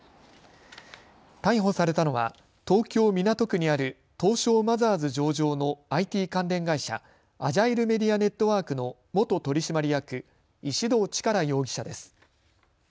逮捕されたのは東京港区にある東証マザーズ上場のＩＴ関連会社アジャイルメディア・ネットワークの元取締役石動力容疑者です。